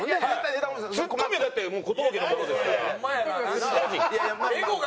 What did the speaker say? ツッコミだってもう小峠のものですから。